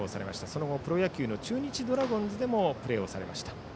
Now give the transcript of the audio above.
その後、プロ野球の中日ドラゴンズでもプレーされました。